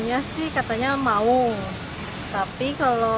tapi kalau dilihat lihat tuh bentuknya tuh agak gendut jadi lebih kayak beruang